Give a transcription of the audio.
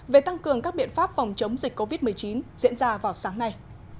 về tăng cường các biện pháp phòng chống dịch covid một mươi chín diễn ra vào sáng nay